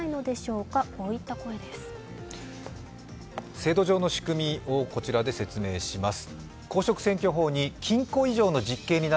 制度上の仕組みを説明します。